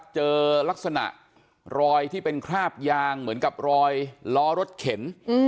เจอลักษณะรอยที่เป็นคราบยางเหมือนกับรอยล้อรถเข็น